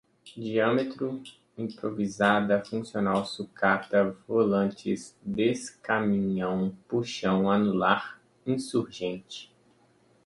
diâmetro, improvisada, funcional, sucata, volantes, decaminhão, puxão, anular, insurgentes